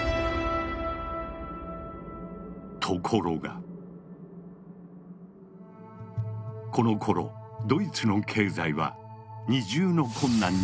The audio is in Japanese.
ところがこのころドイツの経済は二重の困難に見舞われていた。